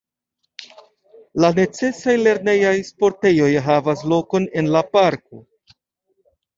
La necesaj lernejaj sportejoj havas lokon en la parko.